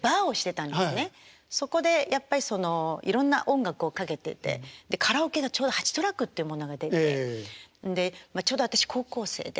そこでやっぱりそのいろんな音楽をかけててカラオケがちょうど８トラックってものが出てんでちょうど私高校生で。